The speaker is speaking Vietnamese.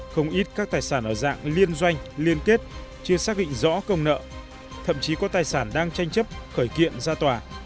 không ít các tài sản ở dạng liên doanh liên kết chưa xác định rõ công nợ thậm chí có tài sản đang tranh chấp khởi kiện ra tòa